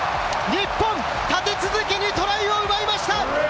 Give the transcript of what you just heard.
日本、立て続けにトライを奪いました！